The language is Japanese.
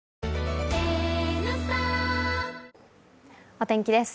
お天気です。